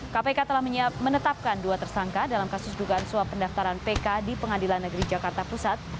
kpk telah menetapkan dua tersangka dalam kasus dugaan suap pendaftaran pk di pengadilan negeri jakarta pusat